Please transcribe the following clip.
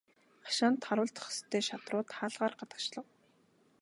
Хашаанд харуулдах ёстой шадрууд хаалгаар гадагшлав.